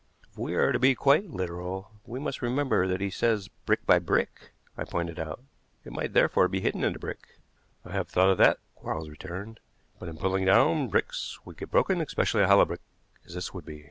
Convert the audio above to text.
"If we are to be quite literal, we must remember that he says brick by brick," I pointed out. "It might therefore be hidden in a brick." "I have thought of that," Quarles returned; "but in pulling down bricks would get broken, especially a hollow brick, as this would be.